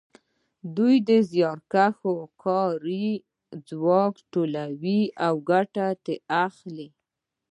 دوی د زیارکښو کاري ځواک لوټوي او ګټه کوي